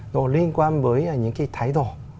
nó liên quan với những cái thái độ